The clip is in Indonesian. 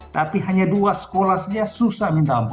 tapi hanya dua sekolah saja susah minta ampun